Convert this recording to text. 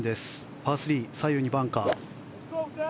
パー３、左右にバンカー。